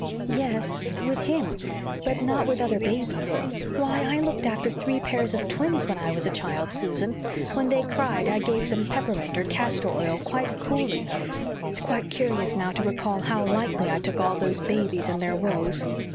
"Yes, with him but not with other babies. Why, I looked after three pairs of twins, when I was a child, Susan. When they cried, I gave them peppermint or castor oil quite coolly. It's quite curious now to recall how lightly I took all those babies and their woes."